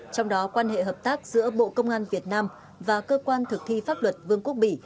trong đó quan hệ hợp tác giữa bộ công an việt nam và cơ quan thực thi pháp luật vương quốc bỉ